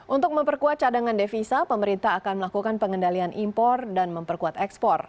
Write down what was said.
untuk memperkuat cadangan devisa pemerintah akan melakukan pengendalian impor dan memperkuat ekspor